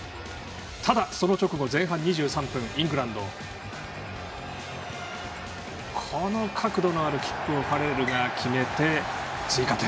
ただその直後、前半２３分イングランド角度のあるキックをファレルが決めて追加点。